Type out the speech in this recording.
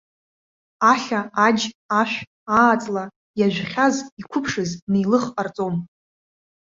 Ахьа, аџь, ашә, аа-ҵла, иажәхьаз, иқәыԥшыз, неилых ҟарҵом.